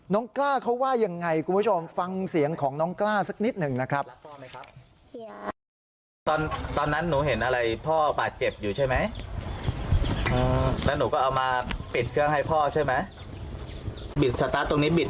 กล้าเขาว่ายังไงคุณผู้ชมฟังเสียงของน้องกล้าสักนิดหนึ่งนะครับ